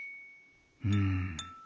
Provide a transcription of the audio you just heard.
うん。